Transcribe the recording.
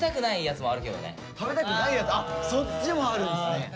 逆にそっちもあるんですね！